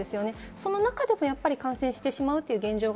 その中でも感染してしまうという現状。